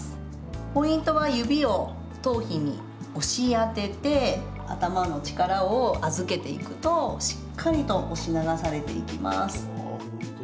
ポイントは指を頭皮に押し当てて頭の力を預けていくとしっかりと押し流されていきます。